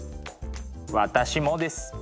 私もです。